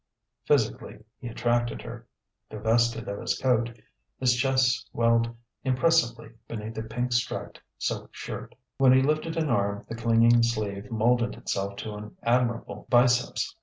Physically he attracted her. Divested of his coat, his chest swelled impressively beneath a pink striped silk shirt. When he lifted an arm, the clinging sleeve moulded itself to an admirable biceps.